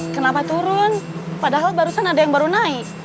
kenapa turun padahal barusan ada yang baru naik